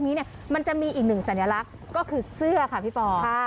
นี้เนี้ยมันจะมีอีกหนึ่งแจ่งเนื้อลักษณ์ก็คือเสื้อค่ะพี่ปอบค่ะ